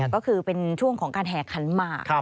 ก็คือเป็นช่วงของการแห่ขันหมาก